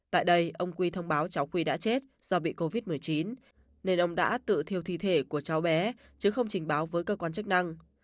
tại đây ông quy thông báo cháu quy đã chết do bị covid một mươi chín nên ông đã tự thiêu thi thể của cháu bé chứ không trình báo với cơ quan chức năng